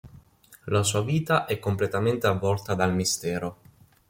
La sua vita è completamente avvolta dal mistero.